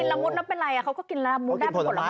กินละมุดน้ำเป็นไรเขาก็กินละมุดด้านผลไม้